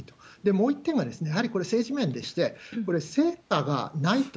もう一点は、やはりこれ、政治面でして、成果がないと、